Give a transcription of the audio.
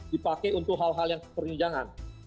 dipakai untuk hal hal yang seperti ini jangan